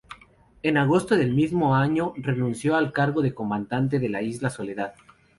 En agosto del mismo año renunció al cargo de comandante de la isla Soledad.